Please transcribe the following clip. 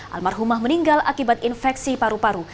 almarhumah meninggal akibat infeksi paru paru